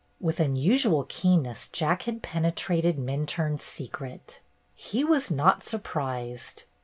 With unusual keenness Jack had pene trated Minturne's secret. He was not sur prised.